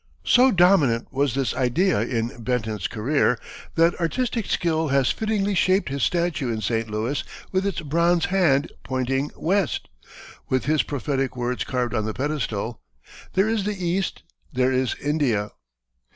So dominant was this idea in Benton's career that artistic skill has fittingly shaped his statue in St. Louis with its bronze hand pointing west, with his prophetic words carved on the pedestal, "There is the east. There is India."